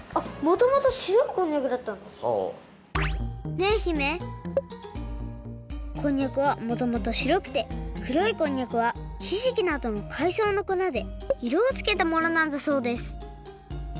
ねえ姫こんにゃくはもともとしろくてくろいこんにゃくはひじきなどのかいそうのこなでいろをつけたものなんだそうです。